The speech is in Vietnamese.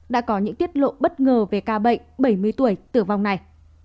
đã có những tiết lộ bất ngờ về ca bệnh bảy mươi tuổi tử vong này